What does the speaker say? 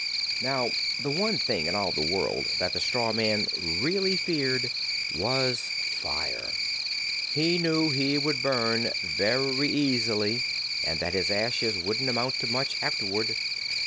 Now the one thing in all the world that the straw man really feared was fire. He knew he would burn very easily and that his ashes wouldn't amount to much afterward.